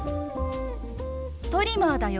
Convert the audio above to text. トリマーだよ。